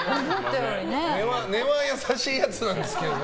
根は優しいやつなんですけどね。